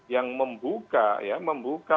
yang membuka ya membuka